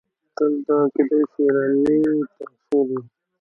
دلته کیدای شي ایرانی تاثیر وي.